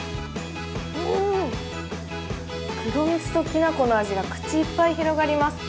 うん、黒蜜ときな粉の味が口いっぱい広がります。